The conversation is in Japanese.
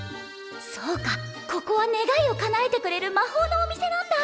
そうかここは願いをかなえてくれるまほうのお店なんだ！